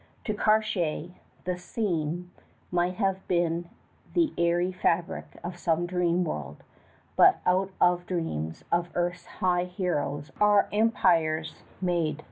To Cartier the scene might have been the airy fabric of some dream world; but out of dreams of earth's high heroes are empires made.